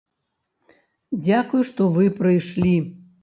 Дзякуй, што вы прыйшлі.